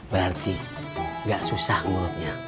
berarti gak susah mulutnya